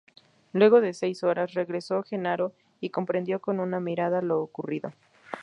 Luego de seis horas regresó Jenaro y comprendió con una mirada lo ocurrido.